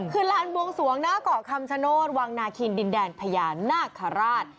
คือลานบวงสวงหน้าเกาะคำชโนธวังนาคินดินแดนพญานาคาราช